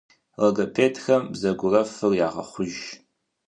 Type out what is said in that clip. Логопедхэм бзэгурэфыр ягъэхъуж.